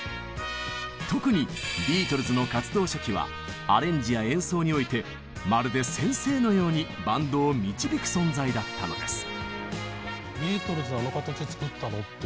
特にビートルズの活動初期はアレンジや演奏においてまるで先生のようにバンドを導く存在だったのです。